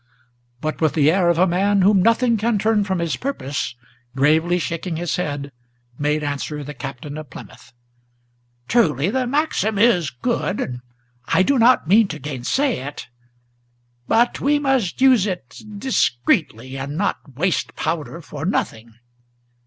But with the air of a man whom nothing can turn from his purpose, Gravely shaking his head, made answer the Captain of Plymouth: "Truly the maxim is good, and I do not mean to gainsay it; But we must use it discreetly, and not waste powder for nothing.